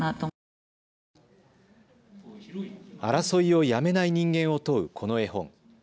争いをやめない人間を問うこの絵本。